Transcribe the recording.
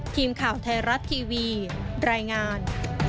ทีมข่าวไทยรัฐทีวีรายงาน